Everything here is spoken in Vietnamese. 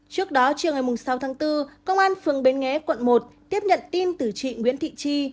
trước đó chiều ngày sáu tháng bốn công an phường bến nghé quận một tiếp nhận tin từ chị nguyễn thị chi